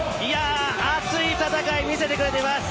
熱い戦い見せてくれています。